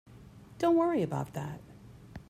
Don't worry about that.